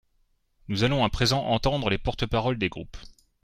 Nous allons à présent entendre les porte-parole des groupes.